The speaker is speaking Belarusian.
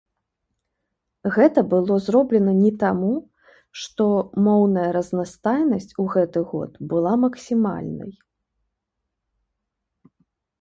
Гэта было зроблена не таму, што моўная разнастайнасць у гэты год была максімальнай.